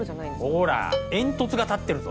ほら煙突が立ってるぞ。